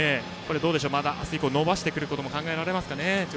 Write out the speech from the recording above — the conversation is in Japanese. また明日以降伸ばしてくることも考えられますかね。